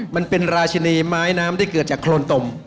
มันเป็นราชินีไม้น้ำที่เกิดจากโครนตม